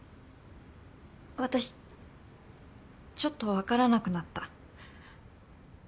私ちょっと分からなくなった。